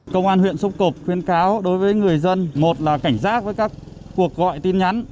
công an huyện xúc cộp khuyến cáo đối với người dân một là cảnh giác với các cuộc gọi tin nhắn